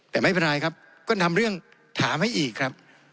แต่ไม่เป็นไรครับก็นำเรื่องถามให้อีกครับ